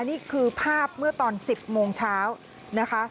นี่คือภาพเมื่อตอน๑๐โมงเช้านะคะ